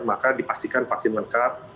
maka dipastikan vaksin lengkap